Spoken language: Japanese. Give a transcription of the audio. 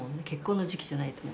結婚の時期じゃない。